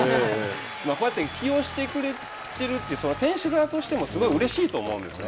こうやって起用してくれてるって選手側としてもすごくうれしいと思います。